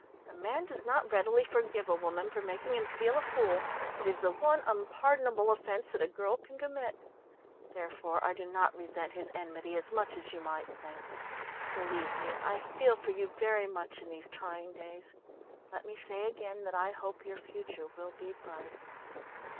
A man does not readily forgive a woman for making him feel a fool it is the one unpardonable offence that a girl can commit. Therefore, I do not resent his enmity as much as you might think. Believe me, I feel for you very much in these trying days. Let me say again that I hope your future will be bright.